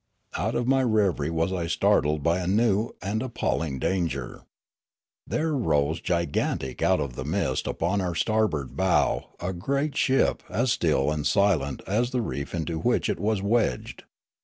Out of nu' reverie was I startled by a new and ap palling danger. There rose gigantic out of the mist upon our starboard bow a great ship as still and silent as the reef into which it was wedged.